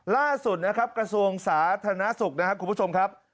ล่าสุดกระทรวงสาธารณสุขคุณผู้ชมครับ